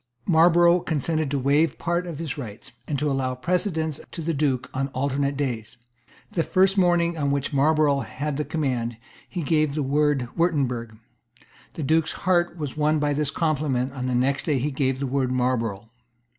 Marlborough consented to waive part of his rights, and to allow precedence to the Duke on the alternate days. The first morning on which Marlborough had the command, he gave the word "Wirtemberg." The Duke's heart was won by this compliment and on the next day he gave the word "Marlborough."